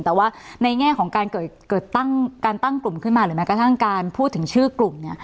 แต่ว่าในแง่ของการตั้งกลุ่มขึ้นมาหรือแม้กระทั่งการพูดถึงชื่อกลุ่ม